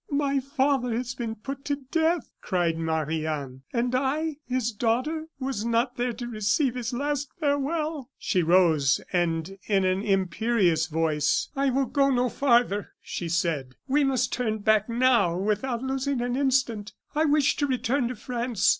"My father has been put to death!" cried Marie Anne, "and I his daughter was not there to receive his last farewell!" She rose, and in an imperious voice: "I will go no farther," she said; "we must turn back now without losing an instant. I wish to return to France."